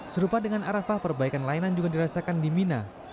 serupa dengan arafah perbaikan layanan juga dirasakan di mina